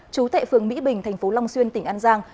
chú thệ phường mỹ bình thành phố long xuyên tỉnh an giang